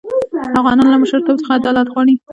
افغانان له مشرتوب څخه عدالت غواړي.